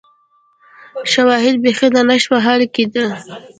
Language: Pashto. شواهد بیخي د نشت په حال کې دي